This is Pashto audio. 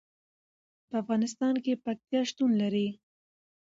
په افغانستان کې پکتیا شتون لري.